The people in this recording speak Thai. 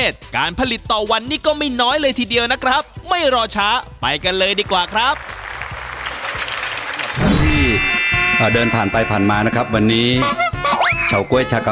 สำหรับท่านที่เดินผ่านไปผ่านมานะครับลองมาแวะกินเฉาก๊วยแท้แท้